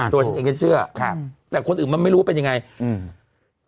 ตัวฉันเองก็เชื่อครับแต่คนอื่นมันไม่รู้ว่าเป็นยังไงอืม